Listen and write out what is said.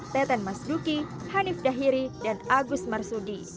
teten mas duki hanif dahiri dan agus marsudi